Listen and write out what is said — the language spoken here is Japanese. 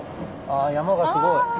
ああ山がすごい。